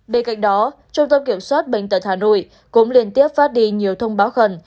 bên cạnh đó trung tâm kiểm soát bệnh tật hà nội cũng liên tiếp phát đi nhiều thông báo khẩn